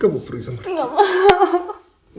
kamu pergi sama aku